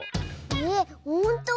えっほんと⁉